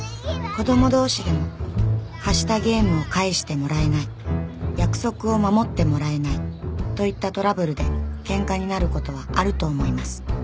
子ども同士でも「貸したゲームを返してもらえない」「約束を守ってもらえない」といったトラブルでケンカになることはあると思います